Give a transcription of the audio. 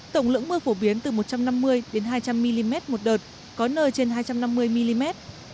tổng lượng mưa phổ biến từ một trăm năm mươi đến hai trăm linh mm một đợt